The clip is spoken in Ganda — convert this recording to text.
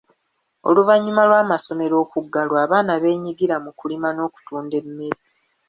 Oluvannyuma lw'amasomero okuggalwa, abaana benyigira mu kulima n'okutunda emmere.